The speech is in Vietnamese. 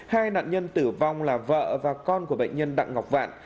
hai nạn nhân tử vong là vợ và con của bệnh nhân đặng ngọc vạn